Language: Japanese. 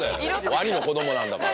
ワニの子供なんだから。